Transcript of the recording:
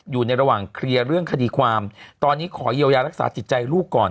อยู่ในระหว่างเคลียร์เรื่องคดีความตอนนี้ขอเยียวยารักษาจิตใจลูกก่อน